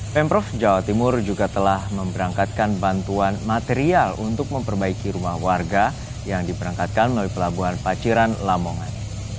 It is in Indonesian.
pemprov jawa timur juga telah memberangkatkan bantuan material untuk memperbaiki rumah warga yang diberangkatkan melalui pelabuhan paciran lamongan